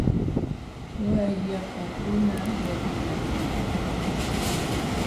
Wayapakuna llallinakulkanmi.